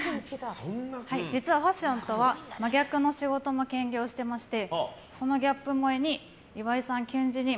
実はファッションとは真逆の仕事も兼業してましてそのギャップ萌えに岩井さん